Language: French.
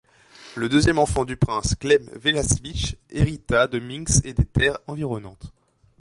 Le deuxième enfant du prince, Gleb Vseslavich, hérita de Minsk et des terres environnantes.